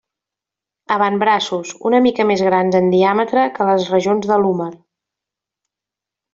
Avantbraços una mica més grans en diàmetre que les regions de l'húmer.